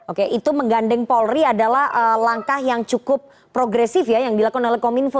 oke itu menggandeng polri adalah langkah yang cukup progresif ya yang dilakukan oleh kominfo